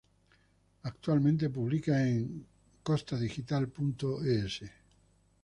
Actualmente publica en Costadigital.es.